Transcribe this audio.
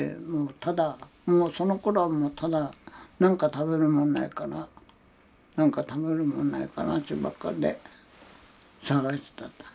ただもうそのころはもうただ何か食べるもんないかな何か食べるもんないかなっちゅうばっかりで探しとった。